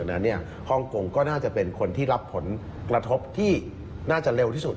นั้นฮ่องกงก็น่าจะเป็นคนที่รับผลกระทบที่น่าจะเร็วที่สุด